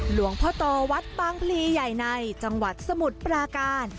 หลวงพ่อโตวัดบางพลีใหญ่ในจังหวัดสมุทรปราการ